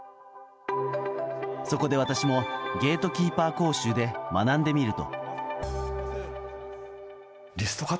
そこで私もゲートキーパー講習で学んでみると。